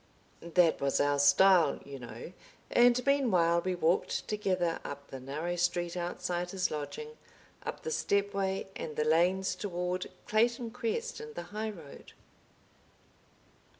... That was our style, you know, and meanwhile we walked together up the narrow street outside his lodging, up the stepway and the lanes toward Clayton Crest and the high road.